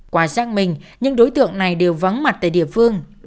quả xác minh những đối tượng này đều vắng mặt tại địa phương